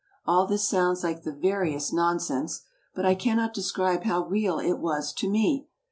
All this sounds tike the veriest nonsense, but I cannot describe how real it was to me.